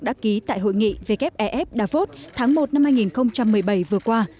đã ký tại hội nghị wfef davos tháng một năm hai nghìn một mươi bảy vừa qua